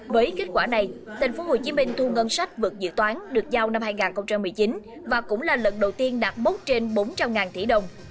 với kết quả này thành phố hồ chí minh thu ngân sách vượt dự toán được giao năm hai nghìn một mươi chín và cũng là lần đầu tiên đạt bốc trên bốn trăm linh tỷ đồng